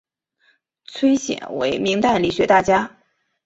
崔铣为明代理学大家。